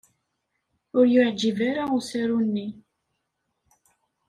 Ur y-iɛǧib ara usaru-nni